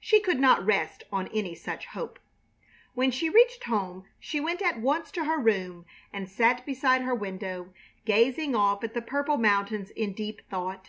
She could not rest on any such hope. When she reached home she went at once to her room and sat beside her window, gazing off at the purple mountains in deep thought.